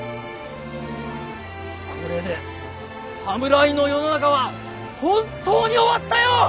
これで侍の世の中は本当に終わったよ！